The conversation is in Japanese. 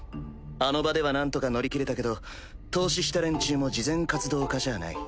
あの場ではなんとか乗り切れたけど投資した連中も慈善活動家じゃない。